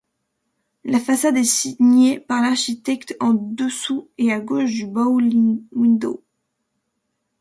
La façade est signée par l'architecte en dessous et à gauche du bow-window.